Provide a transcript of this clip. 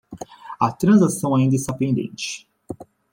A transação ainda está pendente.